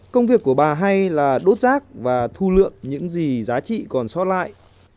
công việc của bà hay là đốt rác và thu lượng những gì giá trị còn sót lại